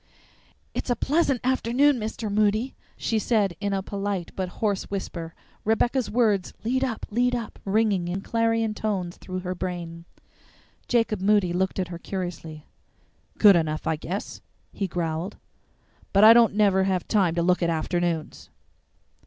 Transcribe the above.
"It's a pleasant afternoon, Mr. Moody," she said in a polite but hoarse whisper, Rebecca's words, "LEAD UP! LEAD UP!" ringing in clarion tones through her brain. Jacob Moody looked at her curiously. "Good enough, I guess," he growled; "but I don't never have time to look at afternoons."